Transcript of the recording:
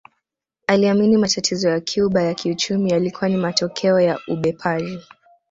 Aliamini matatizo ya Cuba ya kiuchumi yalikuwa ni matokeo ya ubepari